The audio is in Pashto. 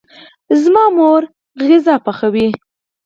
زما مور خواړه پخوي